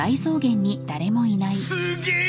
すげえ！